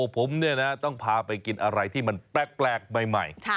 ผมต้องพาไปกินอะไรที่มันแปลกใหม่